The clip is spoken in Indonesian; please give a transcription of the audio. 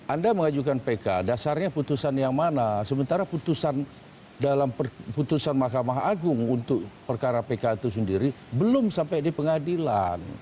anda mengajukan pk dasarnya putusan yang mana sementara putusan dalam putusan mahkamah agung untuk perkara pk itu sendiri belum sampai di pengadilan